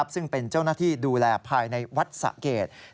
ซึ่งเป็นเจ้าหน้าที่ดูแลภายในวัดสะเกด